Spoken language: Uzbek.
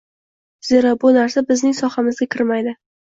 Zero, bu narsa bizning sohamizga kirmaydi.